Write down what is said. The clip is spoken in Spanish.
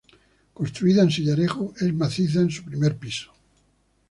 Construida en sillarejo, es maciza en su primer piso.